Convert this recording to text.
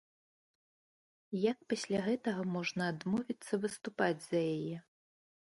Як пасля гэтага можна адмовіцца выступаць за яе?